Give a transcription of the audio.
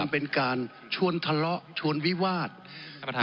เป็นการชวนทะเลาะชวนวิวาสท่านประธาน